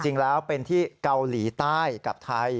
จริงแล้วเป็นที่เกาหลีใต้กับไทย